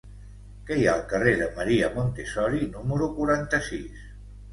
Què hi ha al carrer de Maria Montessori número quaranta-sis?